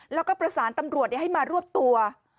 แล้วก็ประสานตำรวจให้มารวบตัว